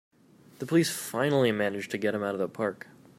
The police finally manage to get him out of the park!